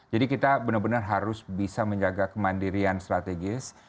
jadi kita benar benar harus bisa menjaga kemandirian strategis